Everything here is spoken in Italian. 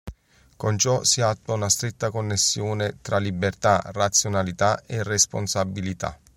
Con ciò si attua una stretta connessione tra libertà, razionalità e responsabilità.